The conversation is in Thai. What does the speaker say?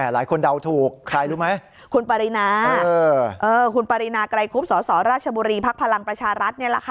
หลายคนเดาถูกใครรู้ไหมคุณปรินาคุณปรินาไกรคุบสสราชบุรีภักดิ์พลังประชารัฐนี่แหละค่ะ